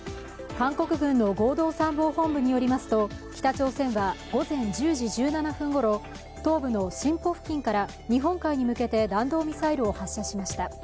韓国軍の合同参謀本部によりますと北朝鮮は午前１０時１７分ごろ東部のシンポ付近から日本海に向けて弾道ミサイルを発射しました。